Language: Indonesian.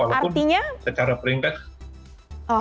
walaupun secara peringkat